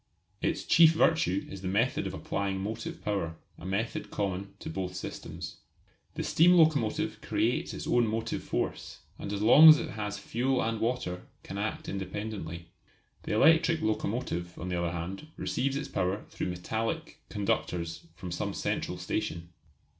Its chief virtue is the method of applying motive power a method common to both systems. The steam locomotive creates its own motive force, and as long as it has fuel and water can act independently. The electric locomotive, on the other hand, receives its power through metallic conductors from some central station.